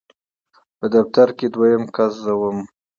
په دفتر کې دویم کس زه وم.